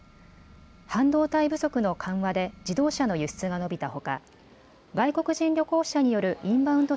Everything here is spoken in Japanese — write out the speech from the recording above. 半導体不足の緩和で自動車の輸出が伸びたほか外国人旅行者によるインバウンド